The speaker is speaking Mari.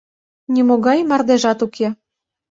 нимогай мардежат уке...